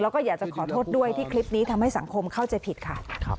แล้วก็อยากจะขอโทษด้วยที่คลิปนี้ทำให้สังคมเข้าใจผิดค่ะ